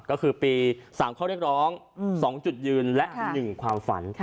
ก็คือปีสามข้อเรียกร้องสองจุดยืนและหนึ่งความฝัน